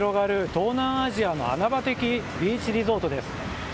東南アジアの穴場的ビーチリゾートです。